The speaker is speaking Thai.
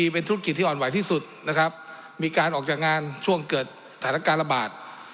เป็นธุรกิจที่อ่อนไหวที่สุดนะครับมีการออกจากงานช่วงเกิดสถานการณ์ระบาด